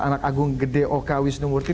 anak agung gede oka wisnu murti